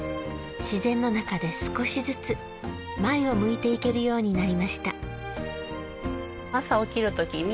自然の中で少しずつ前を向いていけるようになりました。